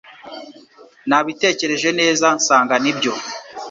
Nabitekereje neza nsanga nibyo